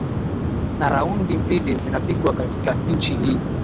na raundi mbili zinapigwa katika nchi hii